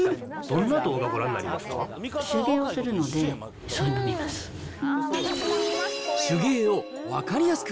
どんな動画をご覧になりますか？